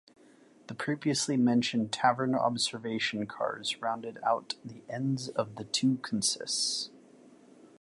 The previously-mentioned tavern-observation cars rounded out the ends of the two consists.